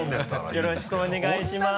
よろしくお願いします。